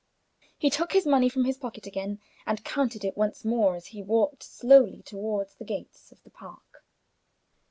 He took his money from his pocket again, and counted it once more as he walked slowly toward the gates of the park.